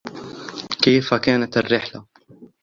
کیف کانت الرحلة ؟